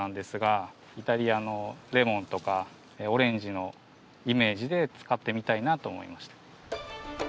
イタリアのレモンとかオレンジのイメージで使ってみたいなと思いました。